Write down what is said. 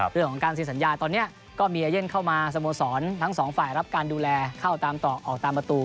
เรื่องของการเซ็นสัญญาตอนนี้ก็มีเอเย่นเข้ามาสโมสรทั้งสองฝ่ายรับการดูแลเข้าตามต่อออกตามประตู